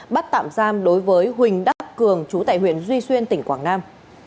bắt tạm giam đối với huỳnh đắc cường trú tại huyện duy xuyên tỉnh quảng nam